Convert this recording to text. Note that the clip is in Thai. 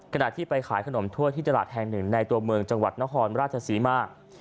ขณะที่ไปขายขนมถ้วยที่ตลาดแห่งหนึ่งในตัวเมืองจังหวัดนครราชศรีมา